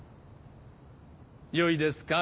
よいですか？